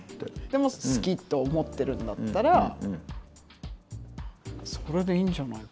でも好きと思ってるんだったらそれでいいんじゃない。